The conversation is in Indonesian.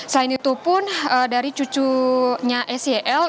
selain itu pun dari cucunya sel